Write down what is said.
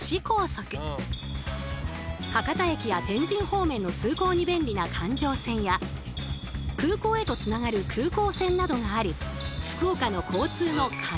博多駅や天神方面の通行に便利な環状線や空港へとつながる空港線などがある福岡の交通の要。